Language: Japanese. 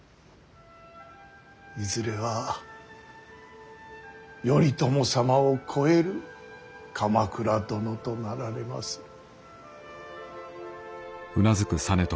いずれは頼朝様を超える鎌倉殿となられまする。